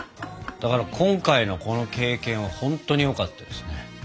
だから今回のこの経験は本当によかったですね。